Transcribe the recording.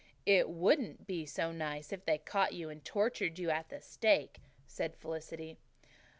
"It wouldn't be so nice if they caught you and tortured you at the stake," said Felicity.